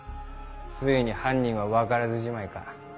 ついに犯人は分からずじまいか。